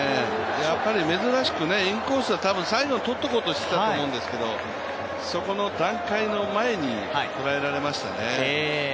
やっぱり珍しく、インコースは最後にとっておこうと思ってたと思うんですけど、そこの段階の前に捉えられましたね。